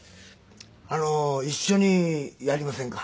あのう一緒にやりませんか？